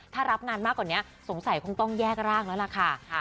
ถ้ารับงานมากกว่านี้สงสัยคงต้องแยกร่างแล้วล่ะค่ะ